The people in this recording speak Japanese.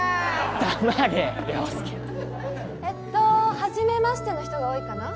黙れ良介えっとーはじめましての人が多いかな？